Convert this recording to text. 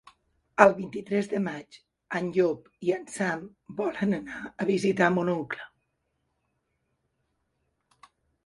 El vint-i-tres de maig en Llop i en Sam volen anar a visitar mon oncle.